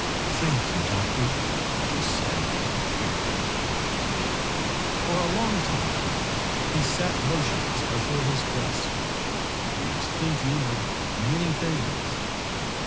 "Thank you, doctor," she said, very low. For a long time he sat motionless before his desk. He was thinking of many things.